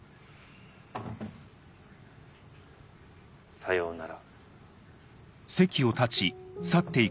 さようなら。